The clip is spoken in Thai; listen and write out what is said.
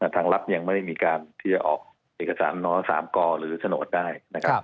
ทางลักษณ์ยังไม่มีการที่จะออกเอกสารนสสกหรือสดได้